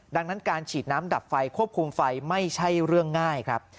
ดังนั้นการฉีดน้ำดับไฟควบคุมไฟไม่ใช่เรื่องง่ายครับ